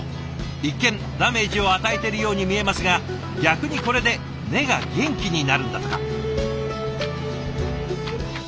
一見ダメージを与えてるように見えますが逆にこれで根が元気になるんだとか。